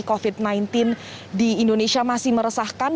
covid sembilan belas di indonesia masih meresahkan